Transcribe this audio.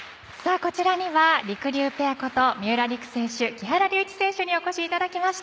こちらにはりくりゅうペアこと三浦璃来選手、木原龍一選手にお越しいただきました。